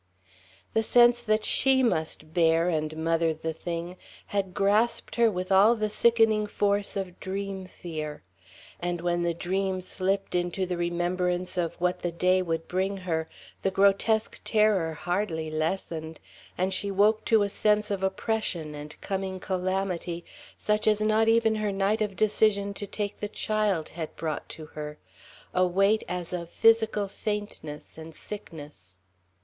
The sense that she must bear and mother the thing had grasped her with all the sickening force of dream fear. And when the dream slipped into the remembrance of what the day would bring her, the grotesque terror hardly lessened, and she woke to a sense of oppression and coming calamity such as not even her night of decision to take the child had brought to her, a weight as of physical faintness and sickness.